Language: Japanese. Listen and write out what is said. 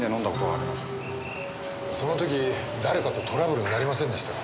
その時誰かとトラブルになりませんでしたか？